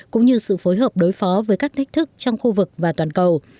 cũng như sự phối hợp đối phó với các thách thức trong khu vực và toàn cầu